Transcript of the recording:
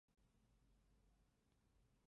之后任中共中央中原局秘书长。